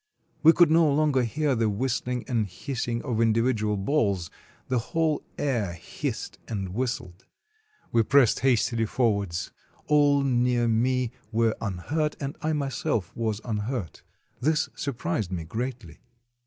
We could no longer hear the whistling and hissing of individual balls, the whole air hissed and whistled. We pressed hastily forwards; all near me were unhurt, and I myself was unhurt. This surprised me greatly.